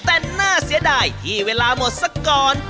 แต่น่าเสียดายที่เวลาหมดสักก่อน